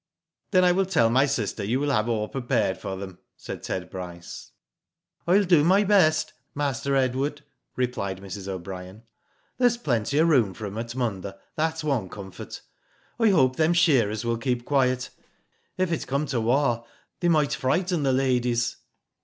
"Then I will tell my sister you will have all prepared for them," said Ted Bryce. " I'll do my best. Master Edward," replied Mrs. O'Brien. "There's plenty of room for 'em at Munda, that's one comfort. I hope them shearers will keep quiet. If it come to war, they might frighten the ladies."